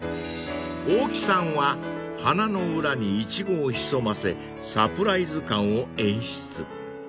［大木さんは花の裏にいちごを潜ませサプライズ感を演出］